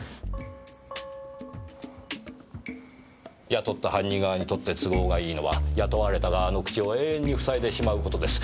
雇った犯人側にとって都合がいいのは雇われた側の口を永遠に塞いでしまう事です。